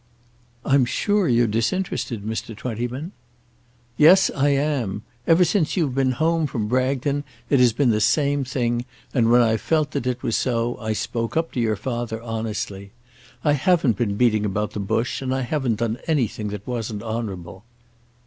"I'm sure you're disinterested, Mr. Twentyman." "Yes, I am. Ever since you've been home from Bragton it has been the same thing, and when I felt that it was so, I spoke up to your father honestly. I haven't been beating about the bush, and I haven't done anything that wasn't honourable."